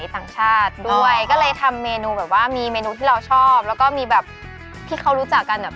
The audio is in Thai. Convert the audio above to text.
ต่างชาติด้วยก็เลยทำเมนูแบบว่ามีเมนูที่เราชอบแล้วก็มีแบบที่เขารู้จักกันอ่ะ